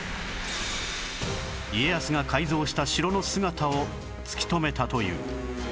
家康が改造した城の姿を突き止めたという